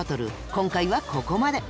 今回はここまで。